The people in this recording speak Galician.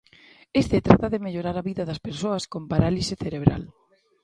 Este trata de mellorar a vida das persoas con parálise cerebral.